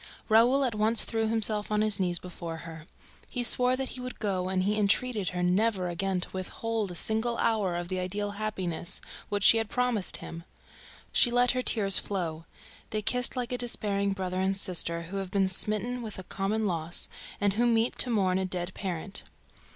Raoul at once threw himself on his knees before her. He swore to her that he would go and he entreated her never again to withhold a single hour of the ideal happiness which she had promised him. She let her tears flow. They kissed like a despairing brother and sister who have been smitten with a common loss and who meet to mourn a dead parent.